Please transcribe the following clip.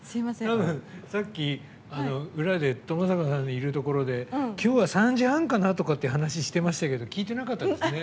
さっき、裏でともさかさんのいるところで今日は３時半かなとかって話してましたけど聞いてなかったですね。